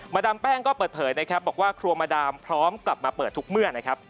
ดามแป้งก็เปิดเผยนะครับบอกว่าครัวมาดามพร้อมกลับมาเปิดทุกเมื่อนะครับ